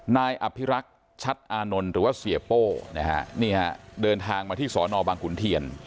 นายอภิรักษ์ชัดอานนท์หรือว่าเสียโป้นะฮะนี่ฮะเดินทางมาที่สอนอบังขุนเทียน